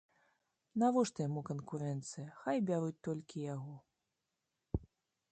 Навошта яму канкурэнцыя, хай бяруць толькі яго.